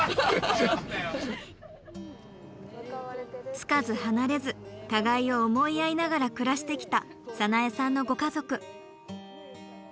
付かず離れず互いを思い合いながら暮らしてきた早苗さんのご家族。